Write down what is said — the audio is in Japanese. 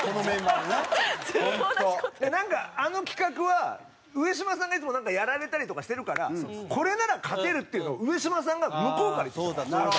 なんかあの企画は上島さんがいつもやられたりとかしてるからこれなら勝てるっていうのを上島さんが向こうから言ってきたの。